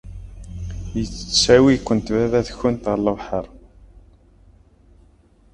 Yettawi-kent baba-tkent ɣer lebḥer?